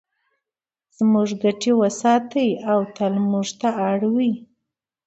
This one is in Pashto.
زموږ ګټې وساتي او تل موږ ته اړ وي.